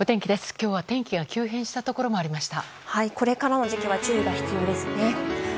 今日は天気が急変したところもありました。